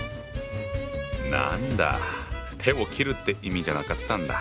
なんだ手を切るって意味じゃなかったんだ。